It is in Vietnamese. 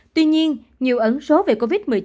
tuy nhiên nhiều ẩn số về covid một mươi chín